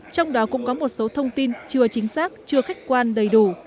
trong đó cũng có một số thông tin chưa chính xác chưa khách quan đầy đủ